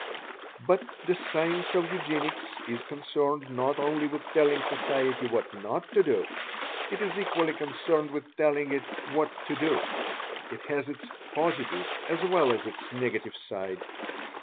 But the Science of Eugenics is concerned not only with telling society what "not to do" it is equally concerned with telling it "what to do." It has its Positive as well as its Negative side.